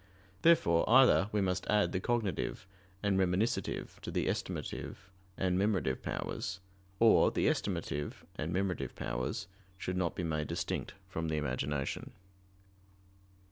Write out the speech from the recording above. Therefore either we must add the cognitive and reminiscitive to the estimative and memorative powers, or the estimative and memorative powers should not be made distinct from the imagination.